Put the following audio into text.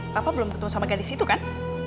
papa belum ketemu sama gadis itu kan